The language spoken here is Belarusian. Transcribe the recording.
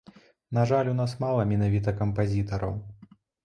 На жаль, у нас мала менавіта кампазітараў.